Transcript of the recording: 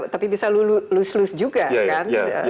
tapi bisa lulus lulus juga kan